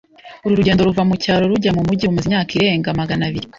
Uru rugendo ruva mucyaro rujya mu mijyi rumaze imyaka irenga magana abiri.